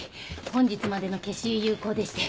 本日までの消印有効でして。